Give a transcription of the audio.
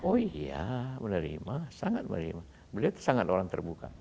oh iya menerima sangat menerima beliau itu sangat orang terbuka